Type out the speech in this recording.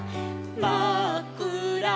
「まっくら